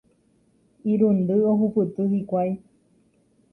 Irundy ohupyty hikuái.